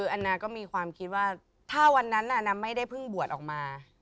อันนาก็มีความคิดว่าถ้าวันนั้นไม่ได้เพิ่งบวชออกมา